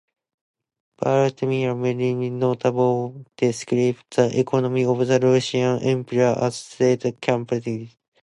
Vladimir Lenin notably described the economy of the Russian Empire as state capitalism.